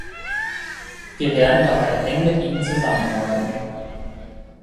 Wir werden dabei eng mit ihnen zusammenarbeiten.